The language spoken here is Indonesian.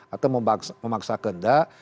atau memaksa kendak